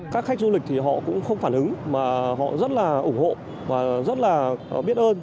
các khách du lịch thì họ cũng không phản ứng mà họ rất là ủng hộ và rất là biết ơn